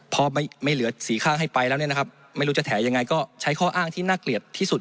พอไม่เหลือสีข้างให้ไปแล้วเนี่ยนะครับไม่รู้จะแถยังไงก็ใช้ข้ออ้างที่น่าเกลียดที่สุด